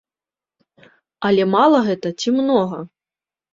Але мала гэта ці многа?